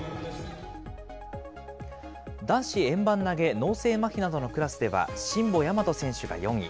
男子円盤投げ脳性まひなどのクラスでは新保大和選手が４位。